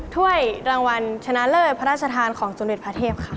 ถ้วยรางวัลชนะเลิศพระราชทานของสมเด็จพระเทพค่ะ